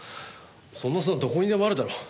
そんな砂どこにでもあるだろ。